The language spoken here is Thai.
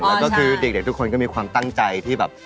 แล้วก็คือเด็กทุกคนก็มีความตั้งใจที่แบบ